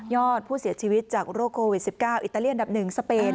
อดผู้เสียชีวิตจากโรคโควิด๑๙อิตาเลียนอันดับ๑สเปน